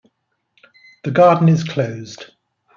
The garden is closed.